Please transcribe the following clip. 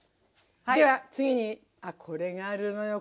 では次にあっこれがあるのよ。